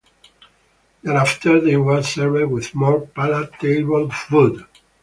Thereafter they were served with more palatable food.